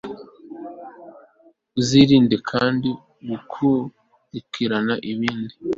uzirinde kandi, gukurikirana ikibi